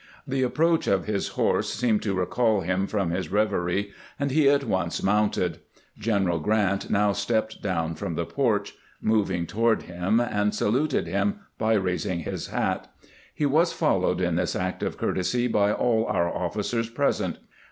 The approach of his horse seemed to recall him from his reverie, and he at once mounted. G eneral Grant now stepped down from the porch, moving toward him, and saluted him by raising his hat. He was followed in this act of courtesy by all our officers present.